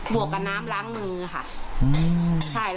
วกกับน้ำล้างมือค่ะ